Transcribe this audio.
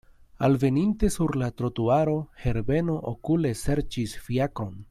Alveninte sur la trotuaro, Herbeno okule serĉis fiakron.